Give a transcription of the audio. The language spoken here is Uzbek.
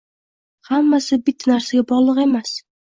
Hammasi bitta narsaga bog’liq emas